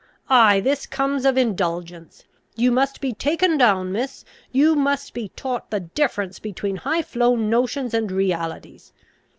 Ay, this comes of indulgence. You must be taken down, miss. You must be taught the difference between high flown notions and realities.